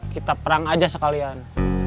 kita perang aja sekalian